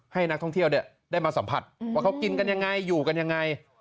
ให้นักท่องเที่ยวได้มาสัมผัสว่าเขากินกันยังไงอยู่กันยังไง